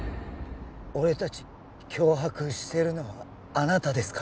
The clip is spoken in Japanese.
俺達脅迫してるのはあなたですか？